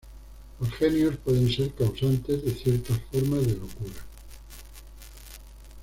Los genios pueden ser causantes de ciertas formas de locura.